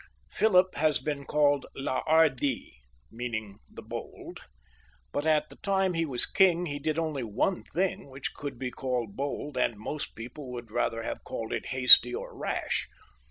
Philip has been called " Le Hardi," meaning the Bold ; but aU the time he was king he did only one thing which could be called bold, and most people would rather have called it hasty or rash.